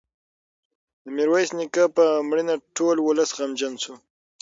د میرویس نیکه په مړینه ټول ولس غمجن شو.